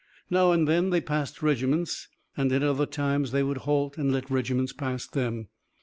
Now and then they passed regiments, and at other times they would halt and let regiments pass them.